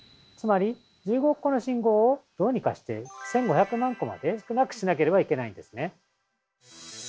つまり１５億個の信号をどうにかして１，５００万個まで少なくしなければいけないんですね。